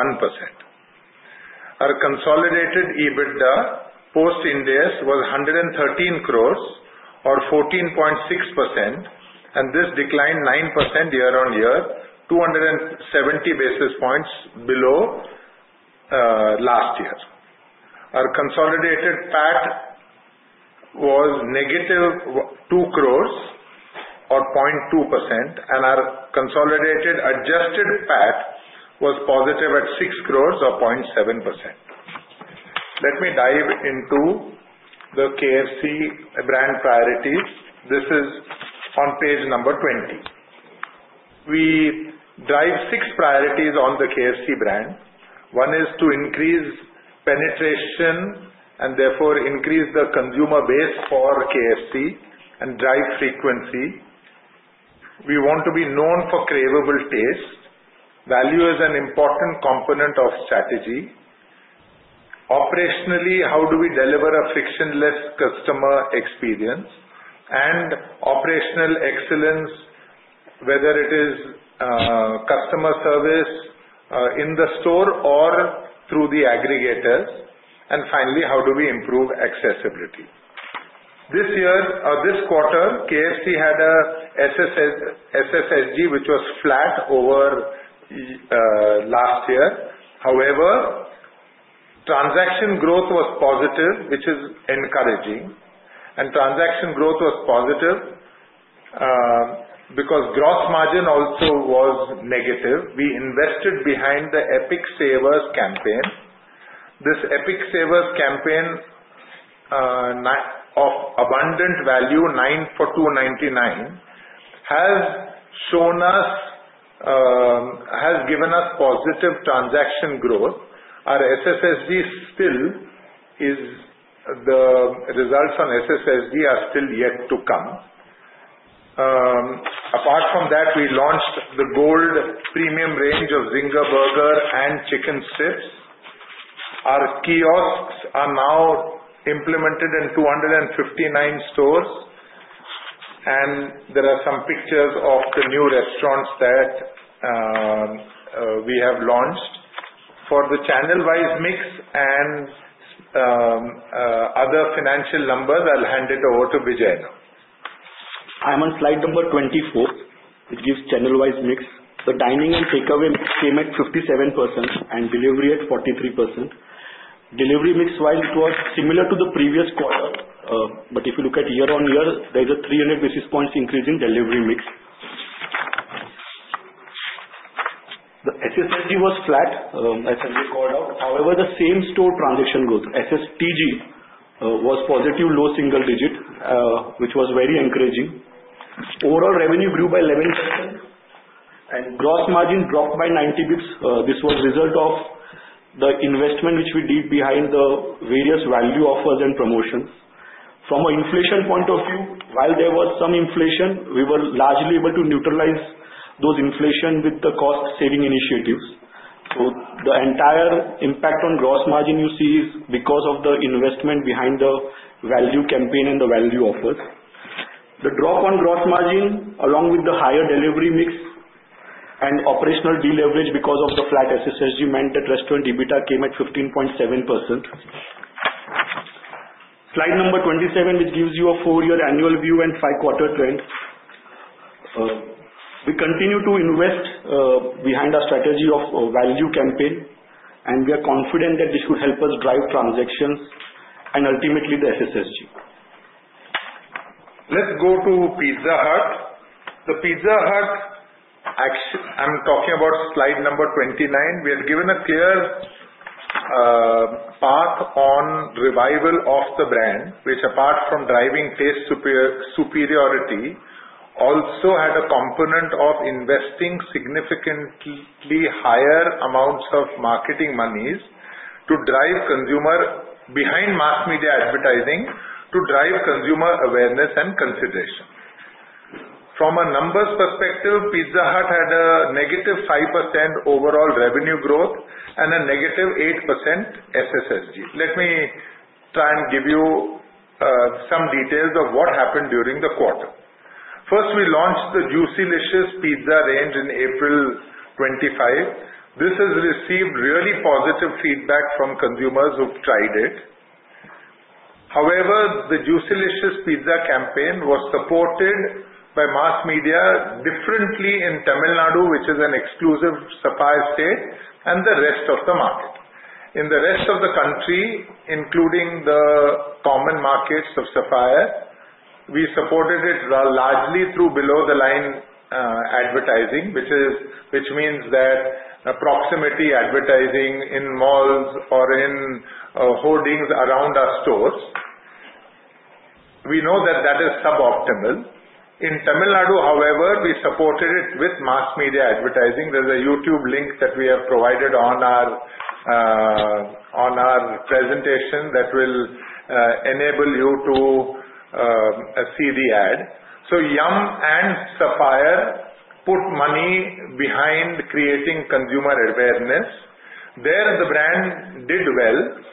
1%. Our consolidated EBITDA post-India was 113 crore or 14.6%, and this declined 9% year-on-year, 270 basis points below last year. Our consolidated FAD was negative 2 crore or 0.2%, and our consolidated adjusted FAD was positive at 6 crore or 0.7%. Let me dive into the KFC brand priorities. This is on page number 20. We drive six priorities on the KFC brand. One is to increase penetration and therefore increase the consumer base for KFC and drive frequency. We want to be known for craveable taste. Value is an important component of strategy. Operationally, how do we deliver a frictionless customer experience and operational excellence, whether it is customer service in the store or through the aggregators? Finally, how do we improve accessibility? This year, this quarter, KFC had a SSG, which was flat over last year. However, transaction growth was positive, which is encouraging. Transaction growth was positive because gross margin also was negative. We invested behind the Epic Saver campaign. This Epic Saver campaign of abundant value, 9 for 299, has given us positive transaction growth. Our SSG still is the results on SSG are still yet to come. Apart from that, we launched the bold premium Zinger Burger range and Chicken Strips. Our kiosks are now implemented in 259 stores, and there are some pictures of the new restaurants that we have launched. For the channel mix and other financial numbers, I'll hand it over to Vijay. I'm on slide number 24. It gives channel-wise mix. The dine-in and takeaway came at 57% and delivery at 43%. Delivery mix-wise, it was similar to the previous quarter, but if you look at year on year, there's a 300 basis points increase in delivery mix. The SSG was flat as I just pointed out. However, the same-store transition was SSG was positive, low single digit, which was very encouraging. Overall revenue grew by 11% and gross margin dropped by 90 bps. This was a result of the investment which we did behind the various value offers and promotions. From an inflation point of view, while there was some inflation, we were largely able to neutralize those inflation with the cost-saving initiatives. The entire impact on gross margin you see is because of the investment behind the value campaign and the value offer. The drop on gross margin, along with the higher delivery mix and operational deleverage because of the flat SSG, meant that restaurant EBITDA came at 15.7%. Slide number 27, which gives you a four-year annual view and five-quarter trends. We continue to invest behind our strategy of value campaign, and we are confident that this could help us drive transactions and ultimately the SSG. Let's go to Pizza Hut. The Pizza Hut, actually, I'm talking about slide number 29. We had given a clear path on revival of the brand, which apart from driving taste superiority, also had a component of investing significantly higher amounts of marketing monies to drive consumer behind mass media advertising to drive consumer awareness and consideration. From a numbers perspective, Pizza Hut had a -5% overall revenue growth and a -8% SSG. Let me try and give you some details of what happened during the quarter. First, we launched the Juicylicious Pizza range in April 2025. This has received really positive feedback from consumers who've tried it. However, the Juicylicious Pizza campaign was supported by mass media differently in Tamil Nadu, which is an exclusive Sapphire state, and the rest of the market. In the rest of the country, including the common markets of Sapphire, we supported it largely through below-the-line advertising, which means that proximity advertising in malls or in hoardings around our stores. We know that that is suboptimal. In Tamil Nadu, however, we supported it with mass media advertising. There's a YouTube link that we have provided on our presentation that will enable you to see the ad. Yum and Sapphire put money behind creating consumer awareness. There the brand did well.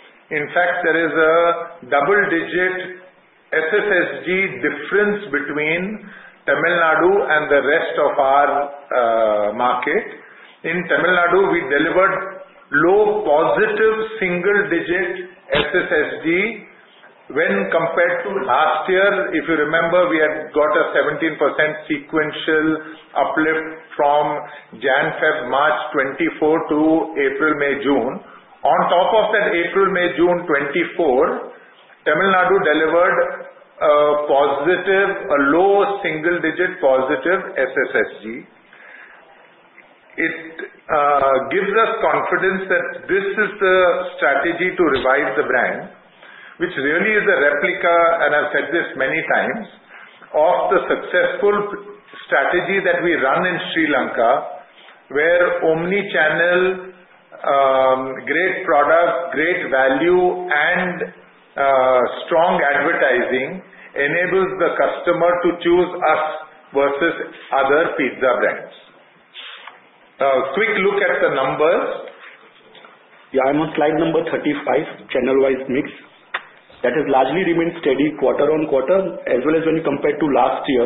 In fact, there is a double-digit SSG difference between Tamil Nadu and the rest of our market. In Tamil Nadu, we delivered low positive single-digit SSG when compared to last year. If you remember, we had got a 17% sequential uplift from January, February, March 2024 to April, May, June. On top of that, April, May, June 2024, Tamil Nadu delivered a positive, a low single-digit positive SSG. It gives us confidence that this is the strategy to revive the brand, which really is a replica, and I've said this many times, of the successful strategy that we run in Sri Lanka, where omnichannel, great product, great value, and strong advertising enables the customer to choose us versus other pizza brands. Quick look at the numbers. Yeah, I'm on slide number 35, channel-wise mix. That has largely remained steady quarter on quarter, as well as when you compare to last year,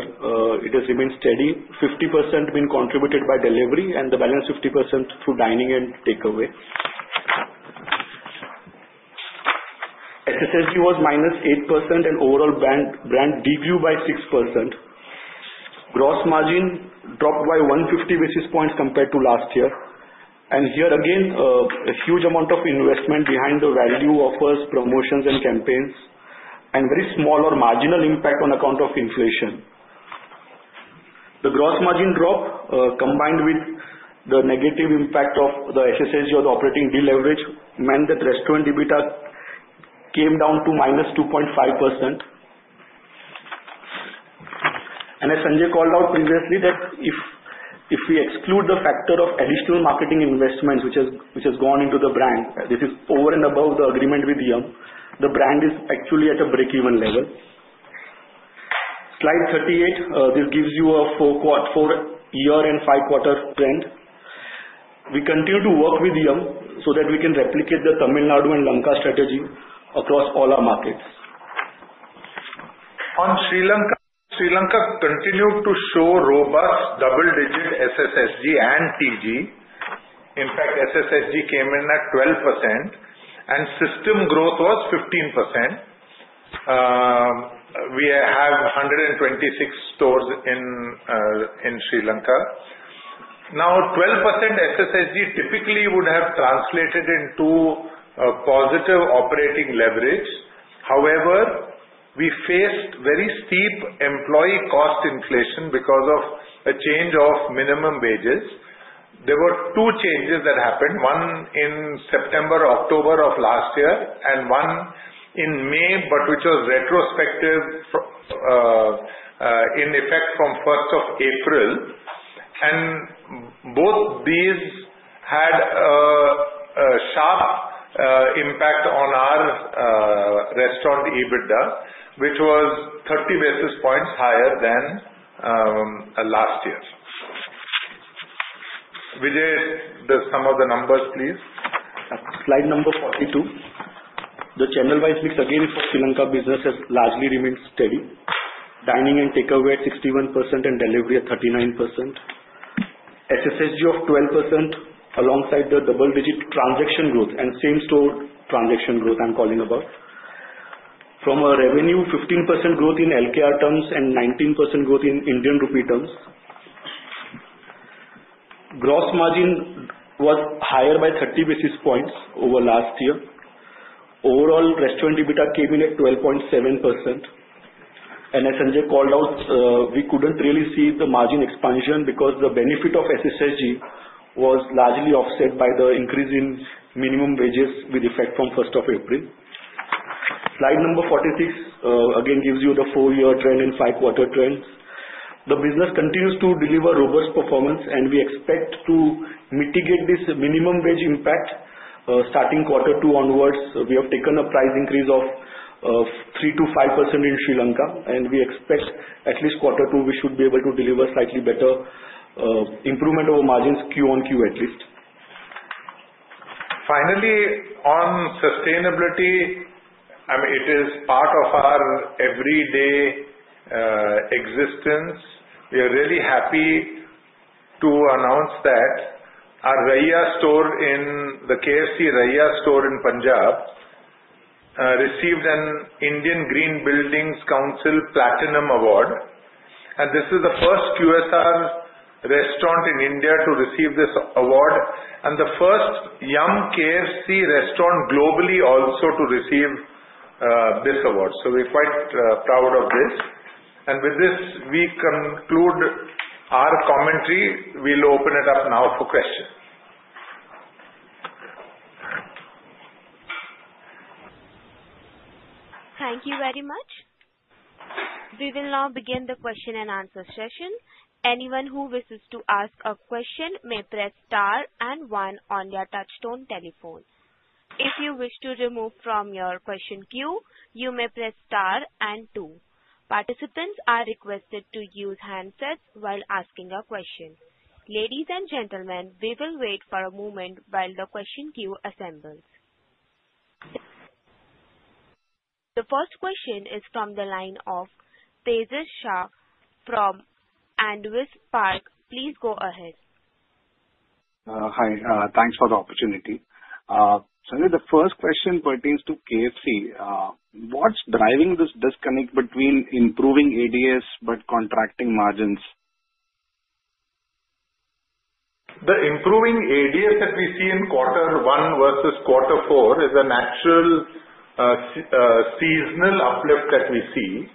it has remained steady. 50% being contributed by delivery and the balance 50% through dine-in and takeaway. SSG was minus 8% and overall brand DVU by 6%. Gross margin dropped by 150 basis points compared to last year. Here again, a huge amount of investment behind the value offers, promotions, and campaigns, and very small or marginal impact on account of inflation. The gross margin drop combined with the negative impact of the SSG or the operating deleverage meant that restaurant EBITDA came down to -2.5%. As Sanjay called out previously, if we exclude the factor of additional marketing investments, which has gone into the brand, this is over and above the agreement with Yum! KFC. The brand is actually at a break-even level. Slide 38, this gives you a four-year and five-quarter trend. We continue to work with Yum! KFC so that we can replicate the Tamil Nadu and Lanka strategy across all our markets. On Sri Lanka, Sri Lanka continued to show robust double-digit SSG and TG. In fact, SSG came in at 12% and system growth was 15%. We have 126 stores in Sri Lanka. Now, 12% SSG typically would have translated into a positive operating leverage. However, we faced very steep employee cost inflation because of a change of minimum wages. There were two changes that happened, one in September, October of last year, and one in May, which was retrospective in effect from April 1. Both of these had a sharp impact on our restaurant EBITDA, which was 30 basis points higher than last year. Vijay, some of the numbers, please. Slide number 42. The channel-wise mix again is for Sri Lanka business has largely remained steady. Dine-in and takeaway at 61% and delivery at 39%. SSG of 12% alongside the double-digit transaction growth and same-store transaction growth I'm calling above. From our revenue, 15% growth in LKR terms and 19% growth in Indian rupee terms. Gross margin was higher by 30 basis points over last year. Overall, restaurant EBITDA came in at 12.7%. As Sanjay called out, we couldn't really see the margin expansion because the benefit of SSG was largely offset by the increase in minimum wages with effect from April 1. Slide number 43 again gives you the four-year trend and five-quarter trends. The business continues to deliver robust performance, and we expect to mitigate this minimum wage impact. Starting quarter two onwards, we have taken a price increase of 3%-5% in Sri Lanka, and we expect at least quarter two, we should be able to deliver slightly better improvement of margins Q on Q at least. Finally, on sustainability, I mean, it is part of our everyday existence. We are really happy to announce that our KFC Raya store in Punjab received an Indian Green Buildings Council Platinum award. This is the first QSR restaurant in India to receive this award and the first Yum! KFC restaurant globally also to receive this award. We're quite proud of this. With this, we conclude our commentary. We'll open it up now for questions. Thank you very much. We will now begin the question and answer session. Anyone who wishes to ask a question may press star and one on your touchstone telephone. If you wish to remove from your question queue, you may press star and two. Participants are requested to use handsets while asking a question. Ladies and gentlemen, we will wait for a moment while the question queue assembles. The first question is from the line of Tejas Shah from Avendus Park. Please go ahead. Hi. Thanks for the opportunity. Sanjay, the first question pertains to KFC. What's driving this disconnect between improving ADS but contracting margins? The improving ADS that we see in quarter one versus quarter four is a natural seasonal uplift that we see.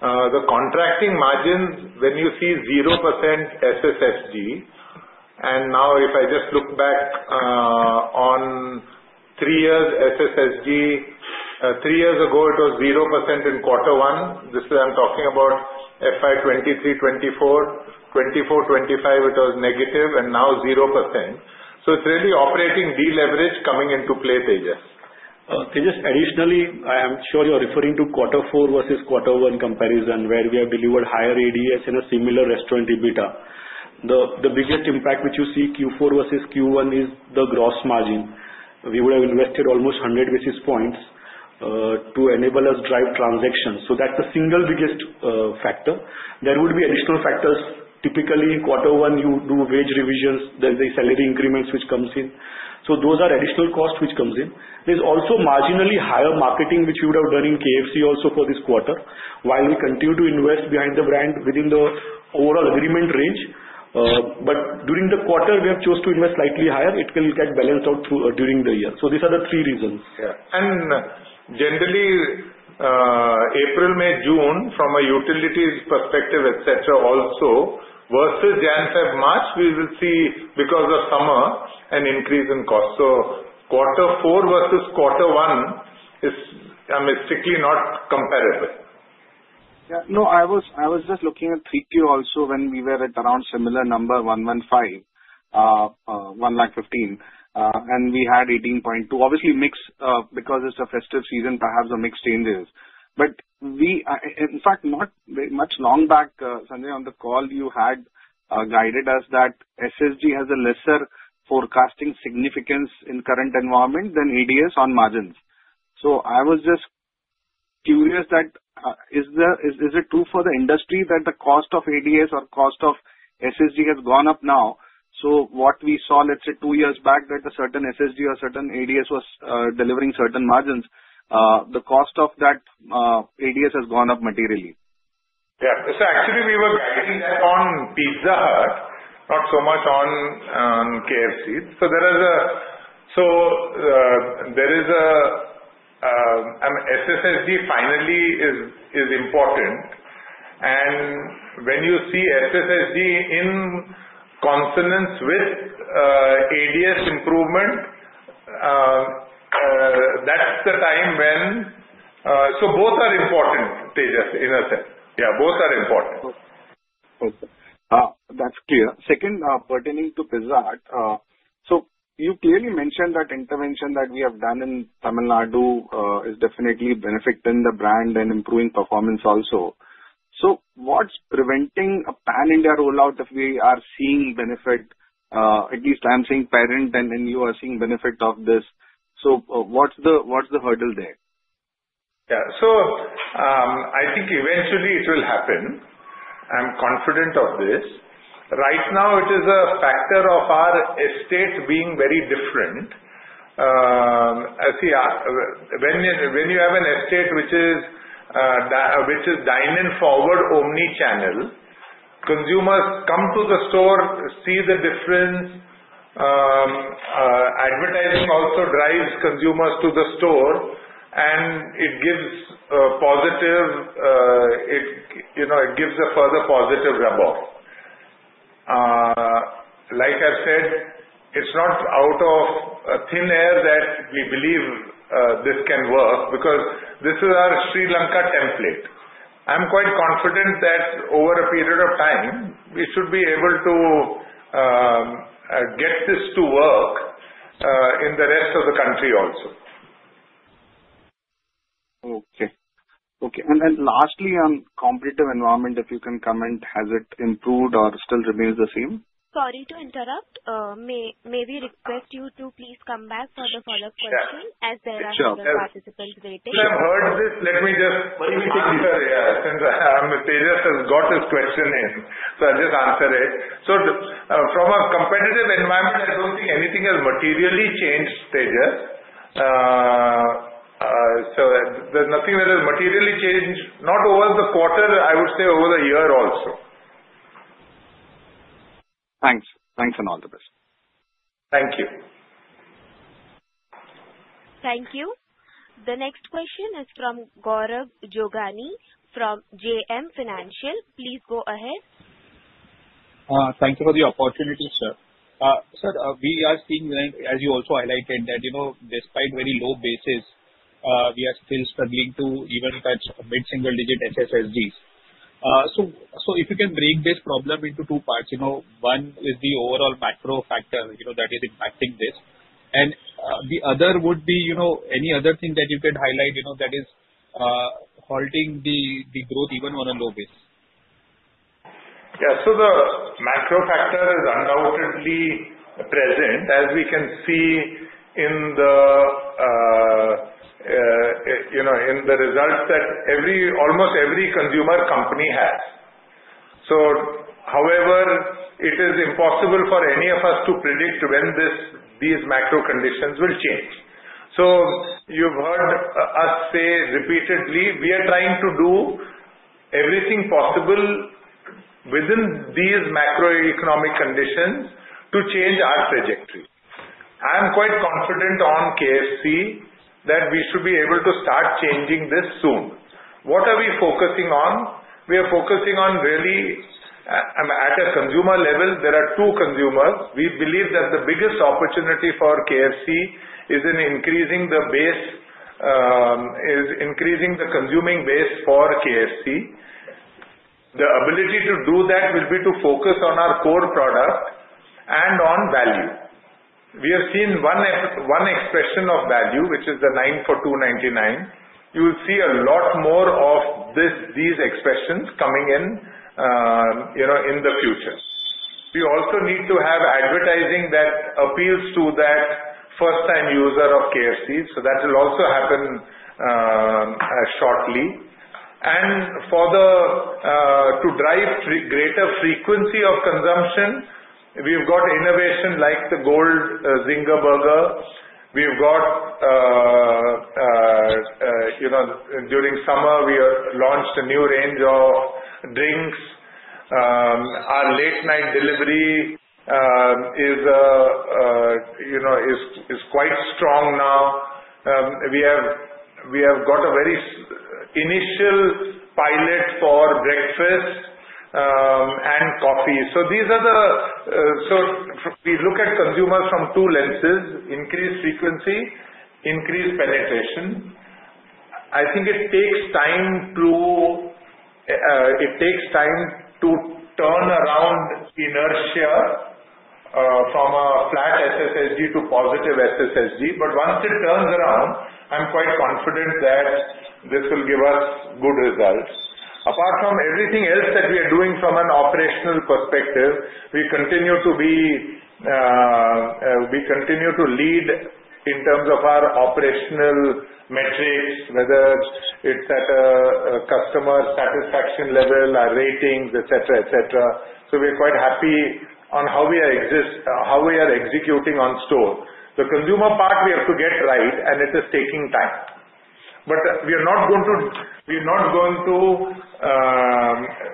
The contracting margins, when you see 0% SSG, and now if I just look back on three years, SSG, three years ago, it was 0% in quarter one. This is, I'm talking about FY 2023, 2024, 2025, it was negative, and now 0%. It's really operating deleverage coming into play, Tejas. Tejas, additionally, I am sure you're referring to quarter four versus quarter one comparison where we have delivered higher ADS and a similar restaurant EBITDA. The biggest impact which you see Q4 versus Q1 is the gross margin. We would have invested almost 100 basis points to enable us to drive transactions. That's the single biggest factor. There would be additional factors. Typically, in quarter one, you do wage revisions. There's a salary increment which comes in. Those are additional costs which come in. There's also marginally higher marketing which you would have done in KFC also for this quarter while we continue to invest behind the brand within the overall agreement range. During the quarter, we have chosen to invest slightly higher. It can get balanced out during the year. These are the three reasons. Yeah. Generally, April, May, June, from a utility perspective, etc., also versus Jan-Feb March, we will see because of summer an increase in cost. Quarter four versus quarter one is, I mean, strictly not comparative. Yeah. No, I was just looking at three-quarter also when we were at around a similar number, 115, 115. And we had 18.2. Obviously, mixed because it's a festive season, perhaps a mix changes. We, in fact, not very much long back, Sanjay, on the call, you had guided us that SSG has a lesser forecasting significance in the current environment than ADS on margins. I was just curious that is it true for the industry that the cost of ADS or cost of SSG has gone up now? What we saw, let's say, two years back, that a certain SSG or certain ADS was delivering certain margins, the cost of that ADS has gone up materially. Yeah, we were betting on Pizza Hut, not so much on KFC. SSG finally is important, and when you see SSG in consonance with ADS improvement, that's the time when both are important, Tejas, in a sense. Yeah, both are important. Okay. That's clear. Second, pertaining to Pizza Hut, you clearly mentioned that intervention that we have done in Tamil Nadu is definitely benefiting the brand and improving performance also. What's preventing a pan-India rollout if we are seeing benefit? At least I'm seeing benefit and you are seeing benefit of this. What's the hurdle there? I think eventually it will happen. I'm confident of this. Right now, it is a factor of our estates being very different. I see, when you have an estate which is dine-in forward omnichannel, consumers come to the store, see the difference. Advertising also drives consumers to the store, and it gives a positive, you know, it gives a further positive reboff. Like I've said, it's not out of thin air that we believe this can work because this is our Sri Lanka template. I'm quite confident that over a period of time, we should be able to get this to work in the rest of the country also. Okay. Okay. Lastly, on the competitive environment, if you can comment, has it improved or still remains the same? Sorry to interrupt. May we request you to please come back for the follow-up question, as there are several participants waiting. I've heard this. Let me just. What do you mean? Yeah, since Tejas has got his question in, I'll just answer it. From a competitive environment, I don't think anything has materially changed, Tejas. There's nothing that has materially changed, not over the quarter, I would say over the year also. Thanks, thanks and all the best. Thank you. Thank you. The next question is from Gaurav Jogani from JM Financial. Please go ahead. Thank you for the opportunity, sir. Sir, we are seeing, as you also highlighted, that despite very low basis, we are still struggling to even catch mid-single-digit SSGs. If you can break this problem into two parts, one is the overall macro factor that is impacting this. The other would be any other thing that you can highlight that is halting the growth even on a low basis? Yeah. The macro factor is undoubtedly present, as we can see in the results that almost every consumer company has. However, it is impossible for any of us to predict when these macro conditions will change. You've heard us say repeatedly, we are trying to do everything possible within these macroeconomic conditions to change our trajectory. I'm quite confident on KFC that we should be able to start changing this soon. What are we focusing on? We are focusing on really, I'm at a consumer level. There are two consumers. We believe that the biggest opportunity for KFC is in increasing the consuming base for KFC. The ability to do that will be to focus on our core product and on value. We are seeing one expression of value, which is the “9 for 299.” You will see a lot more of these expressions coming in, you know, in the future. We also need to have advertising that appeals to that first-time user of KFC. That will also happen shortly. To drive greater frequency of consumption, we've got innovation like the premium Zinger Burger range. During summer, we launched a new range of drinks. Our late-night delivery is quite strong now. We have got a very initial pilot for breakfast and coffee. If we look at consumers from two lenses, increased frequency, increased penetration, I think it takes time to turn around inertia from a flat SSG to positive SSG. Once it turns around, I'm quite confident that this will give us good results. Apart from everything else that we are doing from an operational perspective, we continue to lead in terms of our operational metrics, whether it's at a customer satisfaction level, our ratings, etc. We're quite happy on how we are executing on store. The consumer part we have to get right, and it is taking time. We are not going to,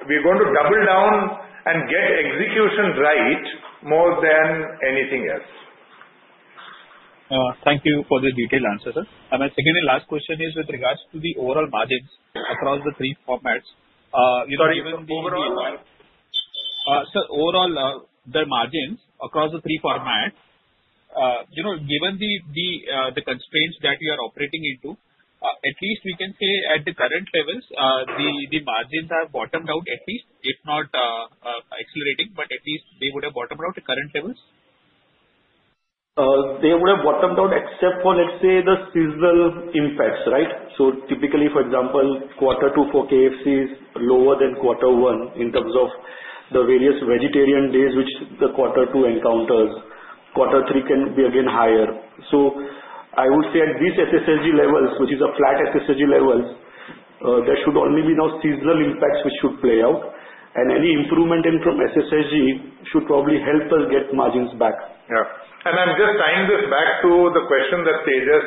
we're going to double down and get execution right more than anything else. Thank you for the detailed answer, sir. I think the last question is with regards to the overall margins across the three formats. Sorry, go ahead. Sir, overall, the margins across the three formats, given the constraints that we are operating into, at least we can say at the current levels, the margins have bottomed out, if not accelerating, but at least they would have bottomed out at current levels. They would have bottomed out except for the seasonal impacts, right? Typically, for example, quarter two for KFC is lower than quarter one in terms of the various vegetarian days which quarter two encounters. Quarter three can be again higher. I would say at these SSG levels, which are flat SSG levels, there should only be now seasonal impacts which should play out. Any improvement in SSG should probably help us get margins back. Yeah, I'm just tying this back to the question that Tejas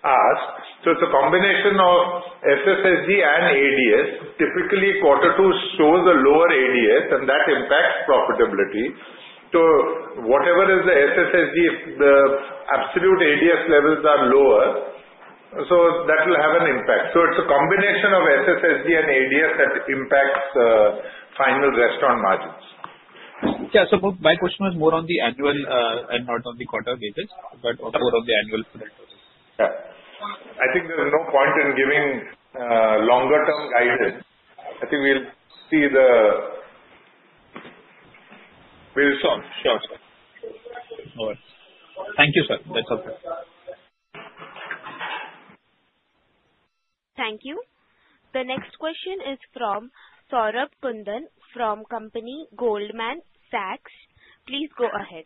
asked. It's a combination of SSG and ADS. Typically, quarter two shows a lower ADS, and that impacts profitability. Whatever is the SSG, if the absolute ADS levels are lower, that will have an impact. It's a combination of SSG and ADS that impacts the final restaurant margins. Yeah, my question was more on the annual and not on the quarter basis, but more on the annual for. Yeah, I think there's no point in giving longer-term guidance. I think we'll see the. Sure. Thank you, sir. Thank you. The next question is from Saurabh Kundan from Goldman Sachs. Please go ahead.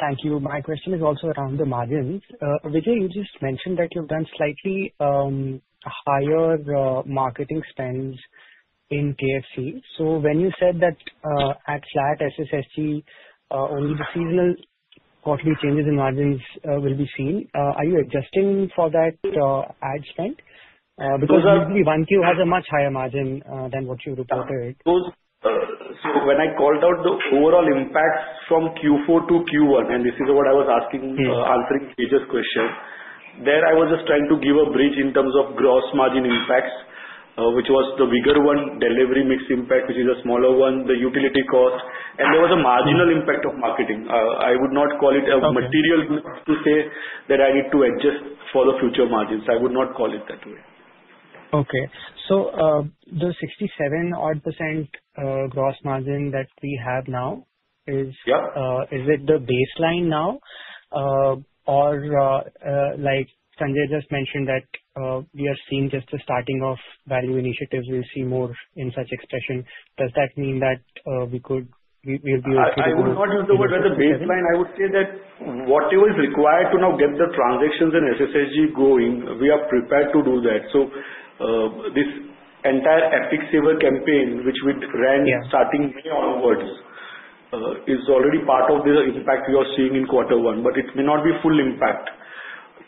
Thank you. My question is also around the margins. Vijay, you just mentioned that you've done slightly higher marketing spends in KFC. When you said that at flat SSG, only the seasonal quarterly changes in margins will be seen, are you adjusting for that ad spend? Because the one-Q has a much higher margin than what you reported. When I called out the overall impacts from Q4 to Q1, and this is what I was answering Tejas' question, I was just trying to give a bridge in terms of gross margin impacts, which was the bigger one, delivery mix impact, which is a smaller one, the utility cost. There was a marginal impact of marketing. I would not call it material to say that I need to adjust for the future margins. I would not call it that way. Okay. The 67% gross margin that we have now, is it the baseline now? Like Sanjay just mentioned, we are seeing just the starting of value initiatives. We'll see more in such expression. Does that mean that we could, we'll be okay? I would not use the word baseline. I would say that whatever is required to now get the transactions in SSG going, we are prepared to do that. This entire Epic Saver campaign, which we ran starting May onwards, is already part of the impact we are seeing in quarter one, but it may not be full impact.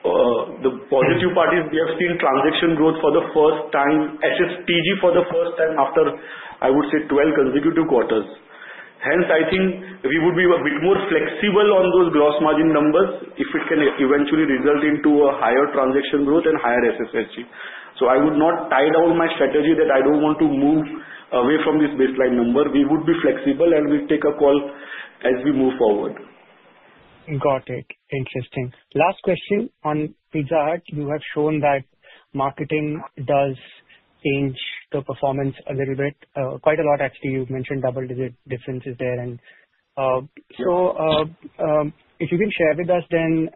The positive part is we have seen transaction growth for the first time, SSG for the first time after, I would say, 12 consecutive quarters. I think we would be more flexible on those gross margin numbers if it can eventually result in higher transaction growth and higher SSG. I would not tie down my strategy that I don't want to move away from this baseline number. We would be flexible, and we'll take a call as we move forward. Got it. Interesting. Last question. On Pizza Hut, you have shown that marketing does change the performance a little bit, quite a lot, actually. You mentioned double-digit differences there. If you can share with us then,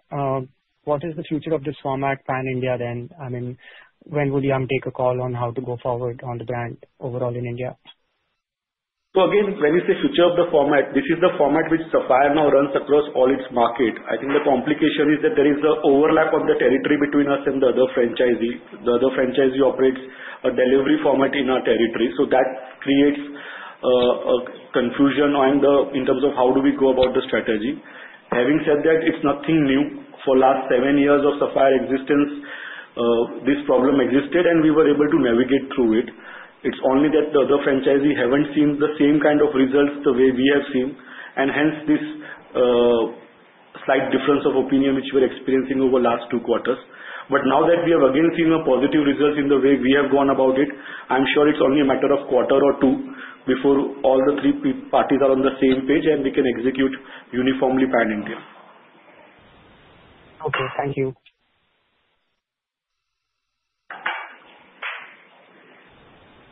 what is the future of this format, pan-India then? I mean, when will Yum! KFC take a call on how to go forward on the brand overall in India? When you say future of the format, this is the format which Sapphire now runs across all its markets. I think the complication is that there is an overlap on the territory between us and the other franchisees. The other franchisee operates a delivery format in our territory. That creates a confusion in terms of how do we go about the strategy. Having said that, it's nothing new. For the last seven years of Sapphire existence, this problem existed, and we were able to navigate through it. It's only that the other franchisees haven't seen the same kind of results the way we have seen. Hence, this slight difference of opinion which we're experiencing over the last two quarters. Now that we have again seen a positive result in the way we have gone about it, I'm sure it's only a matter of a quarter or two before all the three parties are on the same page and they can execute uniformly pan-India. Okay, thank you.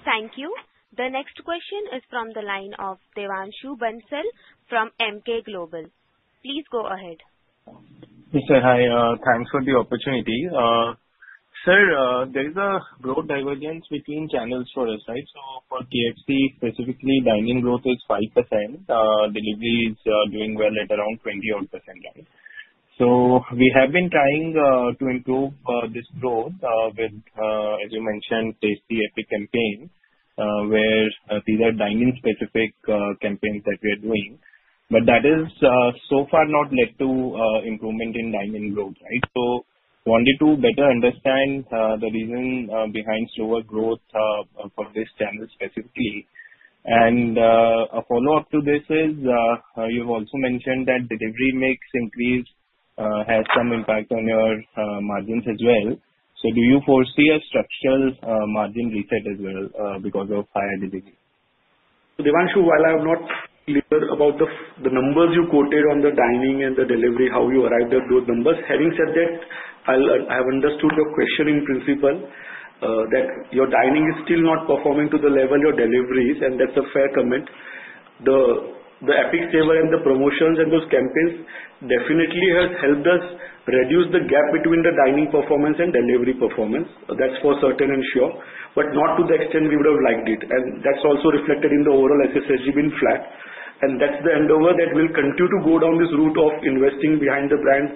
Thank you. The next question is from the line of Devanshu Bansal from Emkay Global. Please go ahead. Yes, sir. Hi. Thanks for the opportunity. Sir, there is a growth divergence between channels for us, right? For KFC specifically, dine-in growth is 5%. Delivery is doing well at around 20% right? We have been trying to improve this growth with, as you mentioned, Epic Saver campaign, where these are dine-in specific campaigns that we're doing. That has so far not led to improvement in dine-in growth, right? I wanted to better understand the reason behind slower growth for this channel specifically. A follow-up to this is you've also mentioned that delivery mix increase has some impact on your margins as well. Do you foresee a structural margin reset as well because of higher delivery? Devanshu, while I'm not clear about the numbers you quoted on the dine-in and the delivery, how you arrived at those numbers, having said that, I've understood your question in principle that your dine-in is still not performing to the level your delivery is, and that's a fair comment. The Epic Saver and the promotions and those campaigns definitely have helped us reduce the gap between the dine-in performance and delivery performance. That's for certain and sure, but not to the extent we would have liked it. That's also reflected in the overall SSG being flat. That's the endeavor that will continue to go down this route of investing behind the brand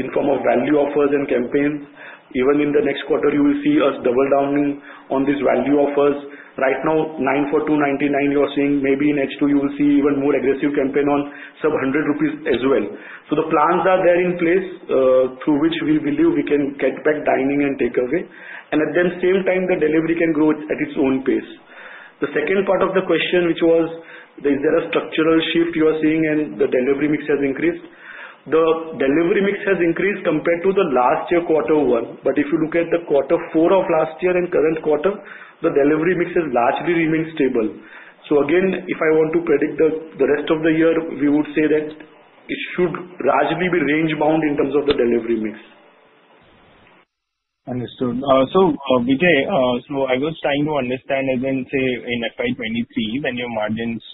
in form of value offers and campaigns. Even in the next quarter, you will see us double down on these value offers. Right now, 9 for 299, you're seeing maybe in H2, you will see even more aggressive campaigns on sub ₹100 as well. The plans are there in place through which we believe we can get back dine-in and takeaway. At the same time, the delivery can grow at its own pace. The second part of the question, which was, is there a structural shift you are seeing and the delivery mix has increased? The delivery mix has increased compared to the last year, quarter one. If you look at the quarter four of last year and current quarter, the delivery mix is largely remaining stable. If I want to predict the rest of the year, we would say that it should largely be range-bound in terms of the delivery mix. Understood. Vijay, I was trying to understand, as in, say, in FY 2023, when your margins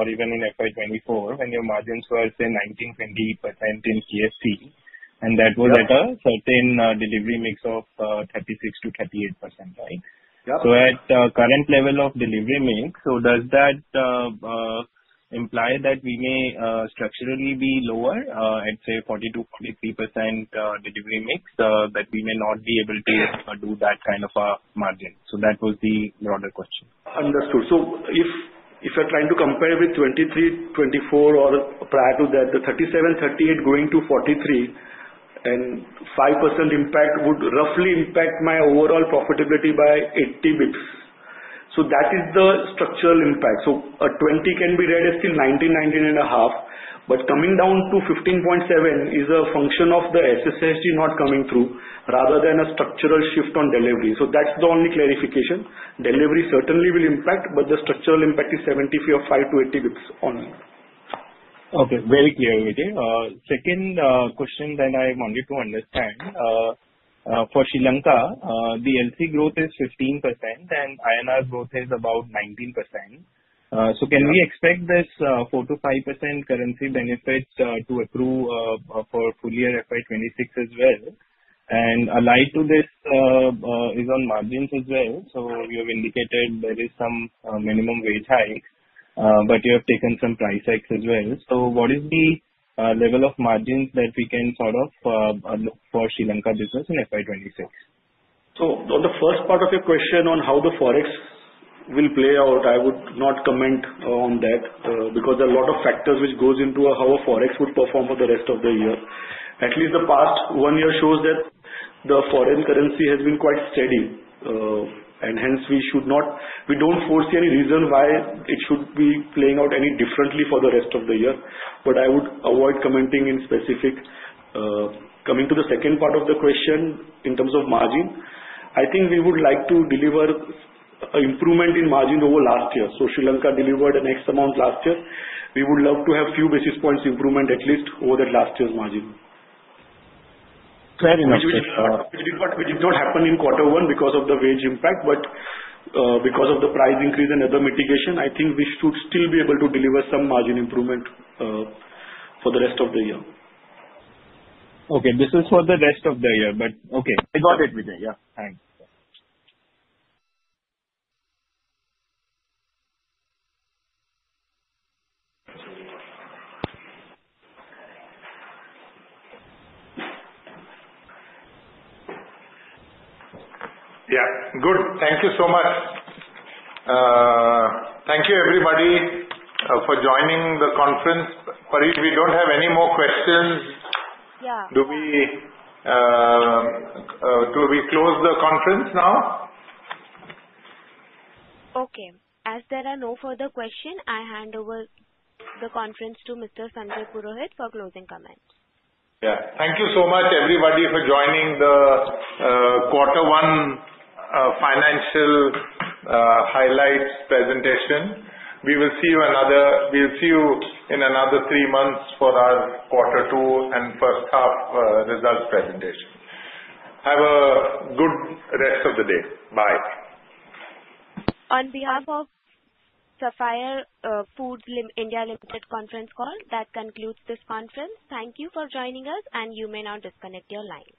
or even in FY 2024, when your margins were, say, 19%-20% in KFC, and that was at a certain delivery mix of 36%-38%, right? Yeah. At the current level of delivery mix, does that imply that we may structurally be lower at, say, 40%-50% delivery mix, that we may not be able to do that kind of a margin? That was the broader question. Understood. If you're trying to compare with 2023, 2024, or prior to that, the 37, 38 going to 43 and 5% impact would roughly impact my overall profitability by 80 bps. That is the structural impact. A 20 can be read as still 19, 19.5. Coming down to 15.7 is a function of the SSG not coming through rather than a structural shift on delivery. That's the only clarification. Delivery certainly will impact, but the structural impact is 73 of 5 to 80 bps only. Okay. Very clear, Vijay. Second question that I wanted to understand, for Sri Lanka, the LC growth is 15% and INR growth is about 19%. Can we expect this 4 to 5% currency benefit to accrue for full-year FY 2026 as well? Allied to this is on margins as well. You have indicated there is some minimum wage hike, but you have taken some price hikes as well. What is the level of margins that we can sort of look for Sri Lanka business in FY 2026? On the first part of your question on how the forex will play out, I would not comment on that because there are a lot of factors which go into how a forex would perform for the rest of the year. At least the past one year shows that the foreign currency has been quite steady. We should not, we don't foresee any reason why it should be playing out any differently for the rest of the year. I would avoid commenting in specific. Coming to the second part of the question in terms of margin, I think we would like to deliver an improvement in margin over last year. Sri Lanka delivered an X amount last year. We would love to have a few basis points improvement at least over that last year's margin. Fair enough. Which did not happen in quarter one because of the wage impact, but because of the price increase and other mitigation, I think we should still be able to deliver some margin improvement for the rest of the year. Okay. This is for the rest of the year, but okay. I got it, Vijay. Yeah. Thanks. Thank you so much. Thank you, everybody, for joining the conference. Parit, we don't have any more questions. Yeah. Do we close the conference now? Okay. As there are no further questions, I hand over the conference to Mr. Sanjay Purohit for closing comments. Thank you so much, everybody, for joining the quarter one financial highlights presentation. We will see you in another three months for our quarter two and first half results presentation. Have a good rest of the day. Bye. On behalf of Sapphire Foods India Ltd, that concludes this conference. Thank you for joining us, and you may now disconnect your line.